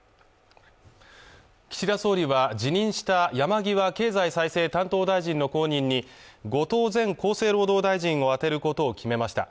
岸田総理は辞任した山際経済再生担当大臣の後任に後藤前厚生労働大臣を充てることを決めました